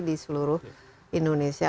di seluruh indonesia